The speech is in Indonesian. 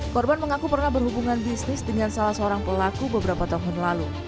korban mengaku pernah berhubungan bisnis dengan salah seorang pelaku beberapa tahun lalu